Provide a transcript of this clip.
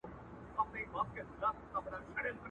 نه ستا زوی سي تر قیامته هېرېدلای!!..